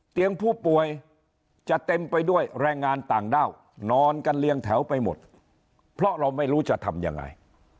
ผู้ป่วยจะเต็มไปด้วยแรงงานต่างด้าวนอนกันเรียงแถวไปหมดเพราะเราไม่รู้จะทำยังไง